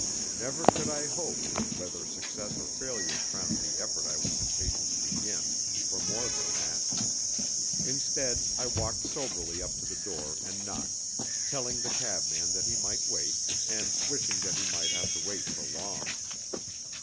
Never could I hope, whether success or failure crowned the effort I was impatient to begin for more than that. Instead I walked soberly up to the door and knocked, telling the cabman that he might wait and wishing that he might have to wait for long.